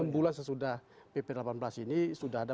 enam bulan sesudah pp delapan belas ini sudah ada